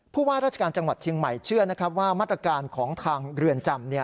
ผู้ว่าราชการจังหวัดเชียงใหม่เชื่อนะครับว่ามาตรการของทางเรือนจำ